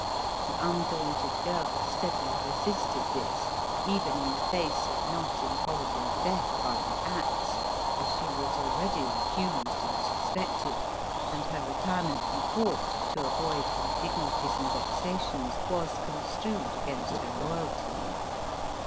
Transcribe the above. The undaunted girl steadily resisted this, even in the face of not improba ble death by the axe, for she was already accused and suspected, and her retirement from court, to avoid in dignities and vexations, was construed against her loy alty.